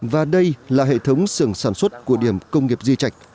và đây là hệ thống xưởng sản xuất của điểm công nghiệp di trạch